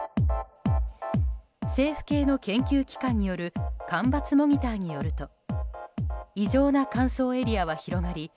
政府系の研究機関による干ばつモニターによると異常な乾燥エリアは広がり